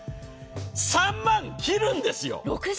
３万切るんですよ！